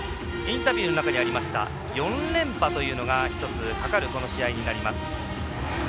インタビューの中にありました４連覇というのが１つ、かかるこの試合になります。